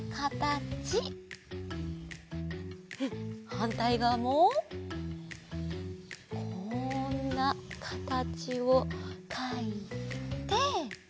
はんたいがわもこんなかたちをかいて。